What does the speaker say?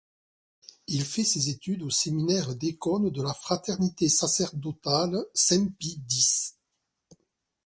Il fait ses études au séminaire d'Écône de la Fraternité sacerdotale Saint-Pie-X.